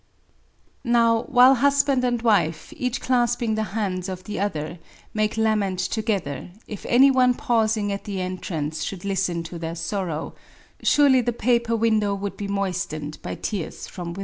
] Now^ while husband and wife^ each clasping the hands of the other J make lament together^ if any one pausing at the en^ trance should listen to their sorrow^ surely the paper window would be moistened by tears from without.